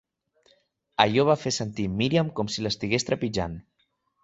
Allò va fer sentir Míriam com si l'estigués trepitjant.